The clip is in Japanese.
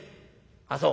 「あっそう。